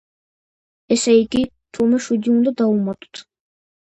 ესე იგი, თურმე შვიდი უნდა დავუმატოთ.